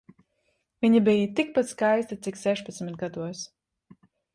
Viņa bija tikpat skaista cik sešpadsmit gados.